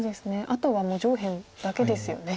あとはもう上辺だけですよね